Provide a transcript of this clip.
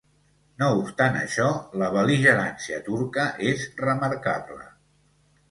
No obstant això, la bel·ligerància turca és remarcable.